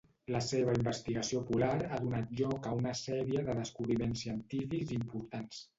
La seva investigació polar ha donat lloc a una sèrie de descobriments científics importants.